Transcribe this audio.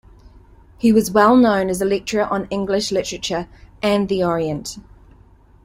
He was well known as a lecturer on English literature and the Orient.